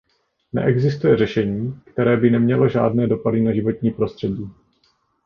Neexistuje řešení, které by nemělo žádné dopady na životní prostředí.